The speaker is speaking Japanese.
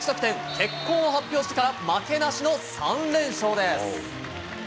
結婚を発表してから負けなしの３連勝です。